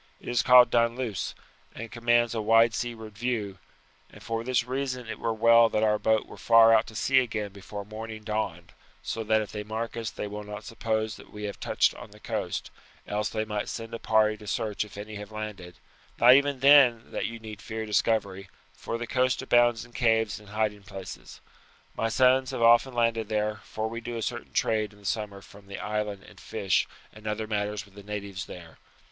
It is called Dunluce, and commands a wide seaward view, and for this reason it were well that our boat were far out at sea again before morning dawned, so that if they mark us they will not suppose that we have touched on the coast; else they might send a party to search if any have landed not even then that you need fear discovery, for the coast abounds in caves and hiding places. My sons have often landed there, for we do a certain trade in the summer from the island in fish and other matters with the natives there.